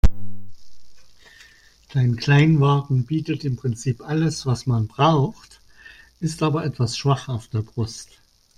Dein Kleinwagen bietet im Prinzip alles, was man braucht, ist aber etwas schwach auf der Brust.